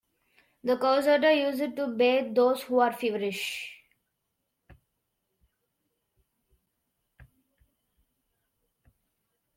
The Coushatta use it to bathe those who are feverish.